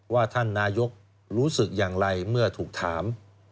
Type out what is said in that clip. ว่าท่านนายกรู้สึกอย่างไรเมื่อถูกถาม